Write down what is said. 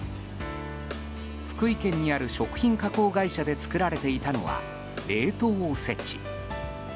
福井県にある食品加工会社で作られていたのは冷凍おせち。